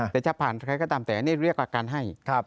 แต่จะผ่านใครก็ตามแต่อันนี้เรียกอาการให้